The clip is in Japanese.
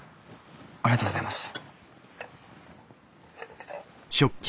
ありがとうございます。